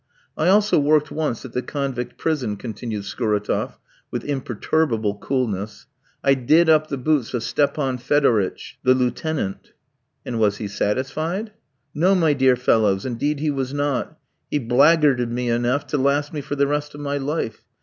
"I also worked once at the convict prison," continued Scuratoff, with imperturbable coolness. "I did up the boots of Stepan Fedoritch, the lieutenant." "And was he satisfied?" "No, my dear fellows, indeed he was not; he blackguarded me enough to last me for the rest of my life.